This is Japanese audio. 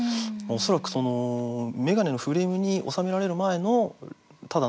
恐らく眼鏡のフレームに収められる前のただのレンズ。